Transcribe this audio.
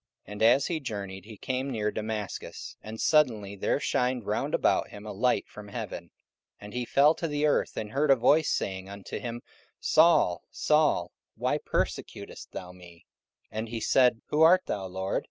44:009:003 And as he journeyed, he came near Damascus: and suddenly there shined round about him a light from heaven: 44:009:004 And he fell to the earth, and heard a voice saying unto him, Saul, Saul, why persecutest thou me? 44:009:005 And he said, Who art thou, Lord?